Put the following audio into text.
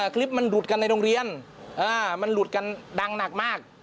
คลิปมันหลุดกันในโรงเรียนมันหลุดกันดังหนักมาก